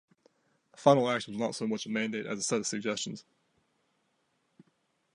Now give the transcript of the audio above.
The final act was not so much a mandate as a set of suggestions.